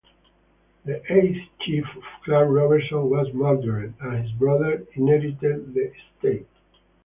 The eighth chief of Clan Robertson was murdered and his brother inherited the estate.